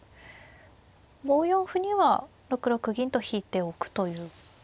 ５四歩には６六銀と引いておくということでしょうか。